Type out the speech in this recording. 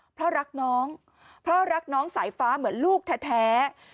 เพราะรักน้องเพราะรักน้องสายฟ้าเหมือนลูกแท้